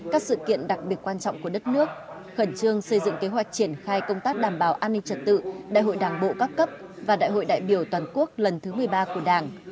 các sự kiện đặc biệt quan trọng của đất nước khẩn trương xây dựng kế hoạch triển khai công tác đảm bảo an ninh trật tự đại hội đảng bộ các cấp và đại hội đại biểu toàn quốc lần thứ một mươi ba của đảng